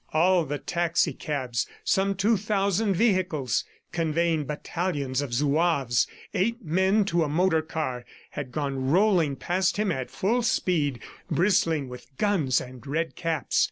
All the taxicabs, some two thousand vehicles, conveying battalions of Zouaves, eight men to a motor car, had gone rolling past him at full speed, bristling with guns and red caps.